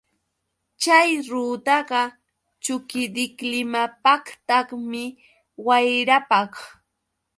Chay rudaqa chukidiklimapaqtaqmi, wayrapaq.